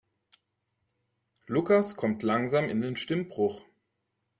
Lukas kommt langsam in den Stimmbruch.